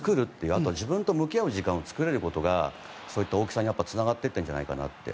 あとは自分と向き合う時間を作れることがそういった大きさにつながっていったんじゃないかなと。